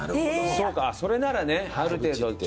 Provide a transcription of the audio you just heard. そうかそれならねある程度ちょっと。